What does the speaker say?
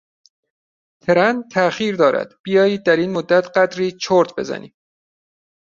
ترن تاخیر دارد، بیایید در این مدت قدری چرت بزنیم.